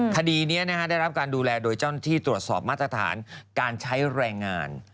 คดีนี้ได้รับการดูแลโดยเจ้าหน้าที่ตรวจสอบมาตรฐานการใช้แรงงาน